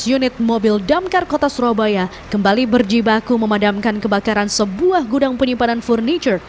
dua belas unit mobil damkar kota surabaya kembali berjibaku memadamkan kebakaran sebuah gudang penyimpanan furniture